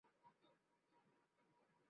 আমার শরীর পুড়ে যাচ্ছে।